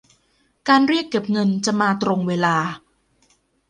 การเรียกเก็บเงินจะมาตรงเวลา